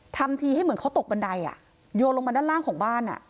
ทำทีให้เหมือนเขาตกบันไดอ่ะโยนลงมาด้านล่างของบ้าน